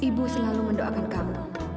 ibu selalu mendoakan kamu